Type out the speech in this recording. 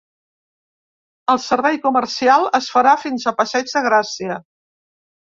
El servei comercial es farà fins a passeig de Gràcia.